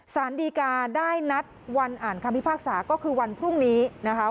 สารดีกาได้นัดวันอ่านคำพิพากษาก็คือวันพรุ่งนี้นะคะ